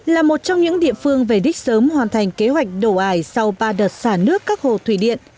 là một trong những địa phương về đích sớm hoàn thành kế hoạch đổ ải sau ba đợt xả nước các hồ thủy điện